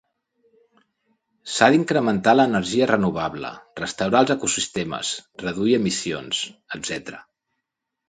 S'ha d'incrementar l'energia renovable, restaurar els ecosistemes, reduir emissions, etc.